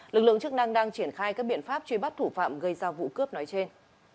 lực lượng chức năng đang triển khai các biện pháp truy bắt thủ phạm gây ra vụ cướp nói trên